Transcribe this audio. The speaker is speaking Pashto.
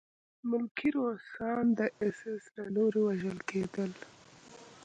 ملکي روسان د اېس ایس له لوري وژل کېدل